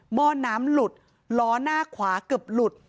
ห้อน้ำหลุดล้อหน้าขวาเกือบหลุด